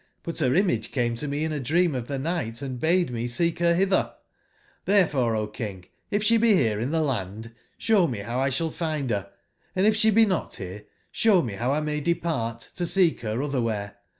But ber image came to me in a dream of tbe nigbt, and bade me seek to ber bitber. ITbcrcf ore, O King, if sbe be bere in tbe land, sbow me bow X sball find ber, and if sbe be not bere, sbow me bow X may depart to seek ber otberwberc.